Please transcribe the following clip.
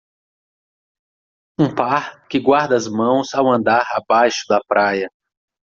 Um par que guarda as mãos ao andar abaixo da praia.